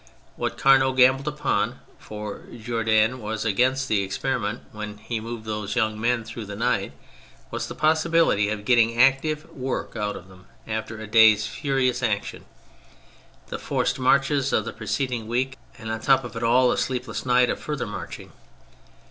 What Carnot gambled upon (for Jour dan was against the experiment) when he moved those young men through the night, was the possibility of getting active work out of them after a day's furious action, the forced marches of the preceding week and on top of it all a sleepless night of further marching.